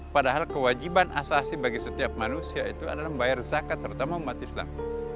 padahal kewajiban asasi bagi setiap manusia itu adalah membayar zakat terutama umat islam